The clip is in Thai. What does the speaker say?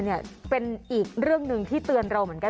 เนี่ยเป็นอีกเรื่องหนึ่งที่เตือนเราเหมือนกัน